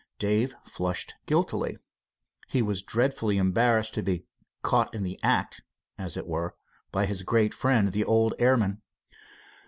Dave flushed guiltily. He was dreadfully embarrassed to be "caught in the act" as it were, by his great friend, the old airman.